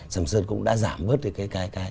sầm sơn cũng đã giảm bớt cái